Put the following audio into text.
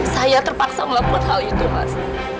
saya terpaksa melakukan hal itu mas